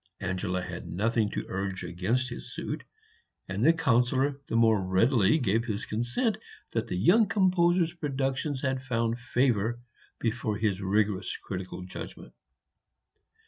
Angela had nothing to urge against his suit; and the Councillor the more readily gave his consent that the young composer's productions had found favor before his rigorous critical judgment.